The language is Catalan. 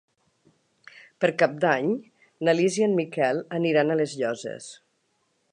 Per Cap d'Any na Lis i en Miquel aniran a les Llosses.